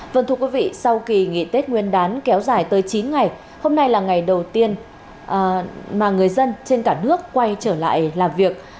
vâng thưa quý vị sau kỳ nghỉ tết nguyên đán kéo dài tới chín ngày hôm nay là ngày đầu tiên mà người dân trên cả nước quay trở lại làm việc